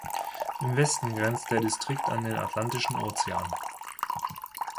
Im Westen grenzt der Distrikt an den Atlantischen Ozean.